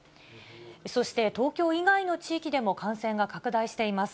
そして東京以外の地域でも感染が拡大しています。